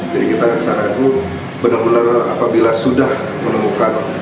jadi kita bisa ragu benar benar apabila sudah menemukan